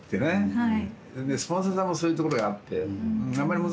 はい。